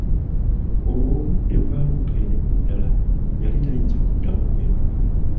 Olwo obudde bwali bukeeredde ddala, yali tayinza kuddamu kwebaka.